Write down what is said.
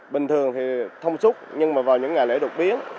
bình thường thì thông suốt nhưng mà vào những ngày lễ đột biến